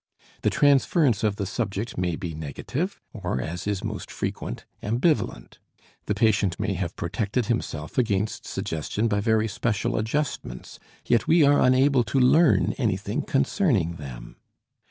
The transference of the subject may be negative, or, as is most frequent, ambivalent; the patient may have protected himself against suggestion by very special adjustments, yet we are unable to learn anything concerning them.